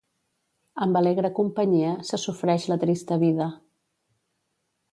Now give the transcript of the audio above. Amb alegre companyia se sofreix la trista vida.